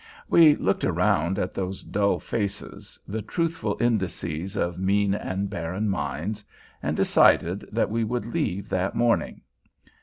We looked around at those dull faces, the truthful indices of mean and barren minds, and decided that we would leave that morning.